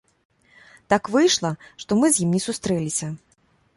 Так выйшла, што мы з ім не сустрэліся.